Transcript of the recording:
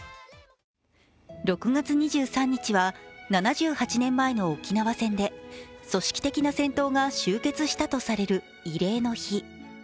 ６月２３日は７８年前の沖縄戦で組織的な戦闘が終結したとされる慰霊の日。